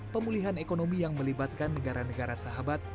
pemulihan ekonomi yang melibatkan negara negara sahabat